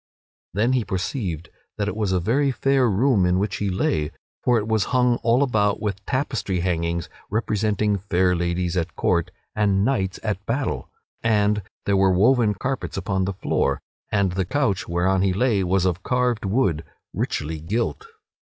Then he perceived that it was a very fair room in which he lay, for it was hung all about with tapestry hangings representing fair ladies at court and knights at battle. And there were woven carpets upon the floor, and the couch whereon he lay was of carved wood, richly gilt.